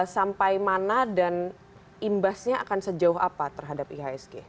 sampai mana dan imbasnya akan sejauh apa terhadap ihsg